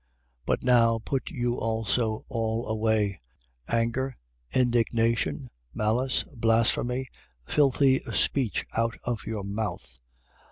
3:8. But now put you also all away: anger, indignation, malice, blasphemy, filthy speech out of your mouth.